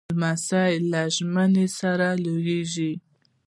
لمسی له ژمنو سره لویېږي.